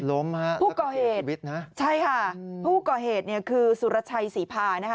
ล้มฮะพวกก่อเหตุพูดเก่าเหตุใช่ค่ะพูดเก่าเหตุเนี่ยคือสุรชัยศรีพาณนะคะ